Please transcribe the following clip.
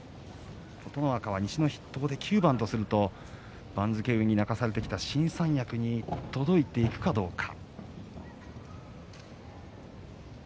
琴ノ若、西の筆頭で９番とする番付運に泣かされてきた新三役に届いていくかどうか。